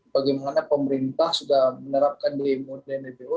nah sebenarnya pemerintah sudah menerapkan dmu dan dvu